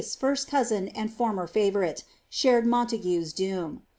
's first cousin and former favourite, shared 3Ionta|ra€' * doom.